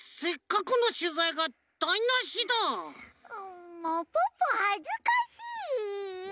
んもうポッポはずかしい。